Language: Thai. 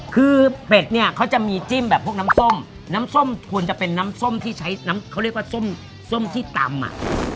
คือเป็ดเนี่ยเขาจะมีจิ้มแบบพวกน้ำส้มน้ำส้มควรจะเป็นน้ำส้มที่ใช้น้ำเขาเรียกว่าส้มส้มที่ตำอ่ะ